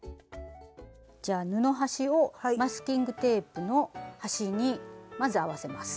じゃあ布端をマスキングテープの端にまず合わせます。